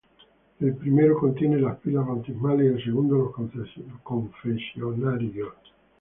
El primero contiene las pilas bautismales y el segundo, los confesionarios.